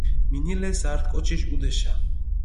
მინილეს ართი კოჩიში ჸუდეშა.